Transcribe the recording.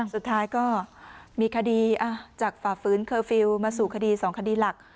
สุดท้ายก็มีคดีจากฝ่าฝืนเคอร์ฟิลล์มาสู่คดี๒คดีหลัก